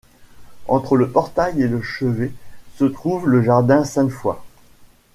Entre le portail et le chevet se trouve le jardin Sainte-Foy.